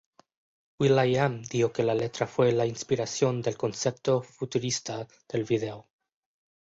Will.i.am dijo que la letra fue la inspiración del concepto futurista del vídeo.